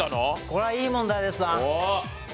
これはいい問題ですな。